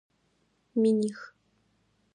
Миних.